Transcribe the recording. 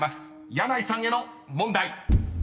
箭内さんへの問題］